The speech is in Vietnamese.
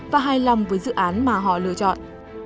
và hài lòng với dự án mà họ lựa chọn